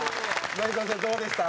凪咲ちゃんどうでした？